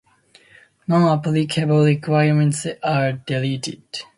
Non-applicable requirements are deleted.